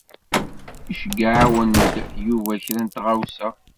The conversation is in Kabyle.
Iceyyeɛ-awen-d Yuba kra n tɣawsa.